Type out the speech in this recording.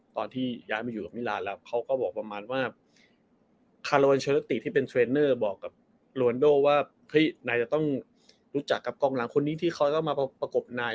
ตอนที่ย้ายมาอยู่เอซีมิลานแล้วเขาก็บอกประมาณว่าที่เป็นเทรนเนอร์บอกกับโรนันโดว่าพี่นายจะต้องรู้จักกับกองหลังคนนี้ที่เขาจะมาประกบนาย